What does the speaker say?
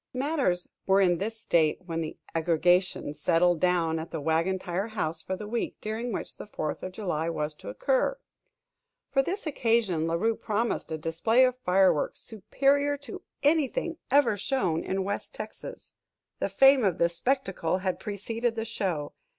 Matters were in this state when the "aggregation" settled down at the Wagon Tire House for the week during which the Fourth of July was to occur. For this occasion La Rue promised a display of fireworks "superior to anything ever shown in West Texas." The fame of this spectacle had preceded the show.